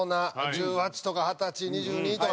１８とか二十歳２２とか。